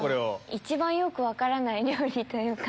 一番よく分からない料理というか。